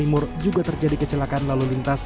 timur juga terjadi kecelakaan lalu lintas